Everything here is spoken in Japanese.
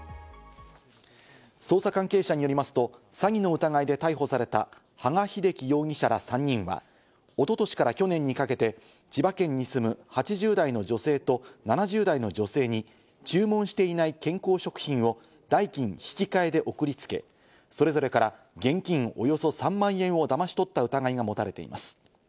捜査関係者によりますと、詐欺の疑いで逮捕された羽賀秀樹容疑者ら３人は、おととしから去年にかけて、千葉県に住む８０代の女性と７０代の女性に、注文していない健康食品を代金引換で送りつけ、それぞれから現金およそ３万円をだまし取った疑いが持たれています。